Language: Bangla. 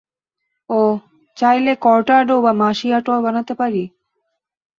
ওহ, চাইলে কর্টাডো বা মাশিয়াটো বানাতে পারি?